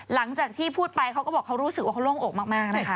หลังจากที่พูดไปเขาก็บอกเขารู้สึกว่าเขาโล่งอกมากนะคะ